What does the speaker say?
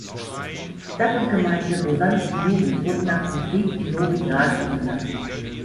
Stadt und Gemeinde "Bosanski Novi" wurden nach dem Krieg in Novi Grad umbenannt.